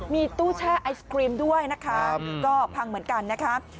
มีตู้แช่ไอศครีมด้วยนะคะก็พังเหมือนกันนะคะ